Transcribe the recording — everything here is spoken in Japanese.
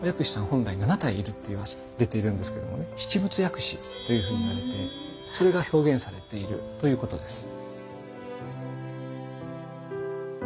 本来７体いるっていわれているんですけどもね七仏薬師というふうに言われてそれが表現されているということです。